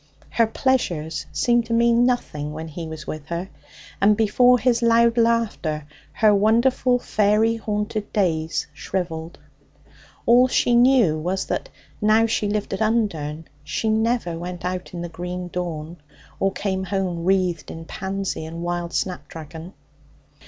Her pleasures seemed to mean nothing when he was with her and before his loud laughter her wonderful faery haunted days shrivelled. All she knew was that, now she lived at Undern, she never went out in the green dawn or came home wreathed in pansy and wild snapdragon.